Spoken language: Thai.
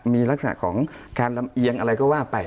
มีลักษณะของการลำเอียงอะไรก็ว่าไป